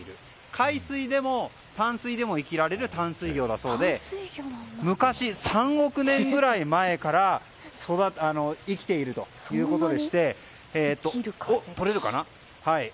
海水でも淡水でも生きられる淡水魚だそうで３億年ぐらい前から生きているということでしておっ、とれるかな。